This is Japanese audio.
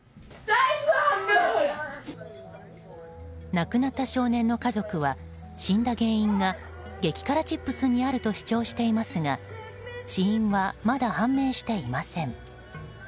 亡くなった少年の家族は死んだ原因が激辛チップスにあると主張していますが死因はまだ判明していません。